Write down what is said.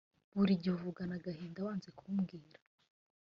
burigihe uvugana agahinda wanze kumbwira,